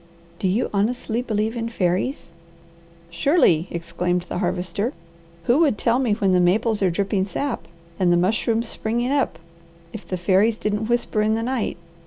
"Do you honestly believe in fairies?" "Surely!" exclaimed the Harvester. "Who would tell me when the maples are dripping sap, and the mushrooms springing up, if the fairies didn't whisper in the night?